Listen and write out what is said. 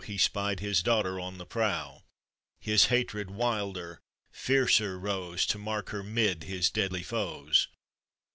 He spied his daughter on the prow; 436 APPENDIX. His hatred wilder, fiercer rose, To mark her 'mid his deadly foes.